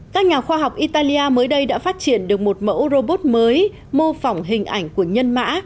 các nhà khoa học italia mới đây đã phát triển được một mẫu robot mới mô phỏng hình ảnh của nhân mã